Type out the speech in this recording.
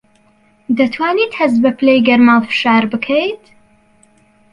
دەتوانیت هەست بە پلەی گەرما و فشار بکەیت؟